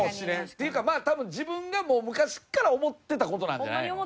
っていうかまあ多分自分がもう昔から思ってた事なんじゃないの？